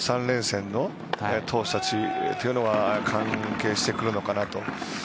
３連戦の投手たちというのは関係してくるのかなと。